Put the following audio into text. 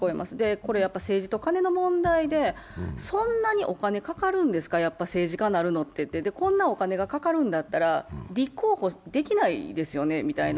これやはり政治とカネの問題で、そんなにお金かかるんですか、政治家になるのって、こんなお金がかかるんだったら、立候補できないですよねみたいな。